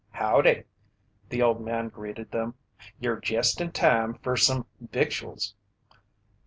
"Howdy," the old man greeted them. "You're jest in time fer some victuals."